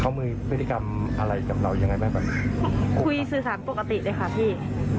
เขามีพฤติกรรมอะไรกับเรายังไงบ้างแบบคุยสื่อสารปกติเลยค่ะพี่